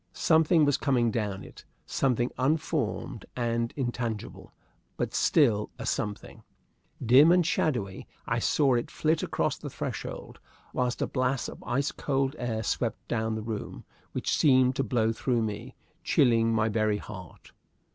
Something was coming down it something unformed and intangible, but still a something. Dim and shadowy, I saw it flit across the threshold, while a blast of ice cold air swept down the room, which seemed to blow through me, chilling my very heart.